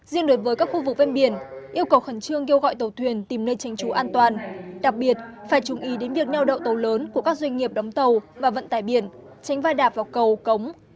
riêng đối với các khu vực ven biển yêu cầu khẩn trương kêu gọi tàu thuyền tìm nơi tranh trú an toàn đặc biệt phải chú ý đến việc neo đậu tàu lớn của các doanh nghiệp đóng tàu và vận tải biển tránh va đạp vào cầu cống